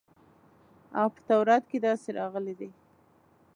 او په تورات کښې داسې راغلي دي.